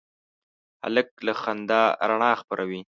هلک له خندا رڼا خپروي.